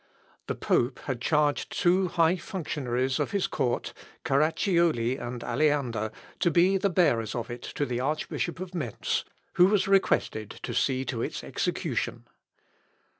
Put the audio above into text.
The pope had charged two high functionaries of his court, Carracioli and Aleander, to be the bearers of it to the Archbishop of Mentz who was requested to see to its execution.